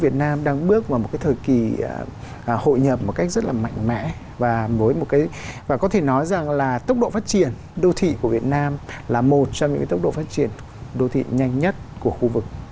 tức là một cái thời kỳ hội nhập một cách rất là mạnh mẽ và với một cái và có thể nói rằng là tốc độ phát triển đô thị của việt nam là một trong những tốc độ phát triển đô thị nhanh nhất của khu vực